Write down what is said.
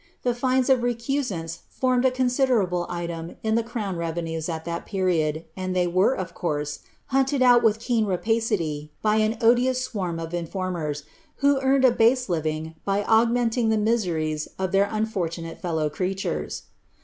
The fines of recusants formed a considerable item in the crown revenues at that period, and they were, of course, hunted out with keen rapacity by an odious swarm of informers, who earned a base living by augmenting the miseries of their unfortunate fellow creatures.